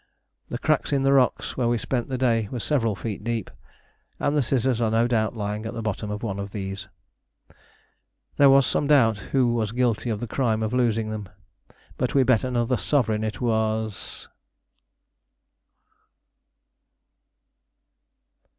The cracks in the rocks, where we spent the day, were several feet deep, and the scissors are no doubt lying at the bottom of one of these. There was some doubt who was guilty of the crime of losing them, but we bet another sovereign it was